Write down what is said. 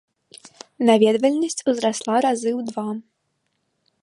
Наведвальнасць узрасла разы ў два.